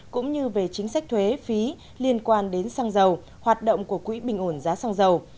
cũng như về chính sách thuế phí liên quan đến xăng dầu hoạt động của quỹ bình ổn giá xăng dầu